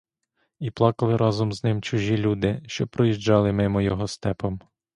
І плакали разом з ним чужі люди, що проїжджали мимо його степом.